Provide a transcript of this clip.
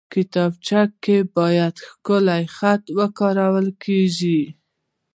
کتابچه کې باید ښکلی خط وکارېږي